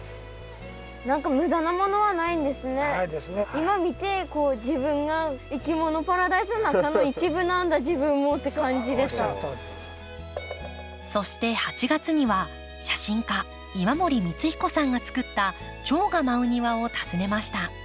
今見てそして８月には写真家今森光彦さんが作ったチョウが舞う庭を訪ねました。